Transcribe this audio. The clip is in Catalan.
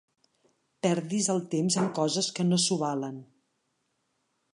Perdis el temps en coses que no s'ho valen.